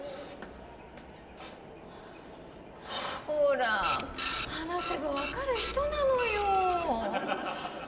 ほら話せば分かる人なのよ。